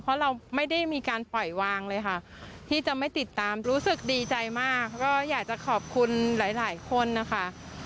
เพราะเราไม่ได้มีการปล่อยวางเลยค่ะที่จะไม่ติดตามรู้สึกดีใจมากแล้วก็อยากจะขอบคุณหลายคนนะคะ